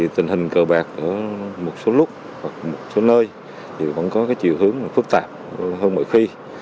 tình hình cờ bạc ở một số lúc một số nơi thì vẫn có chiều hướng phức tạp hơn mọi khi